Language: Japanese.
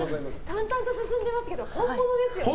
淡々と進んでますけど本物ですよね？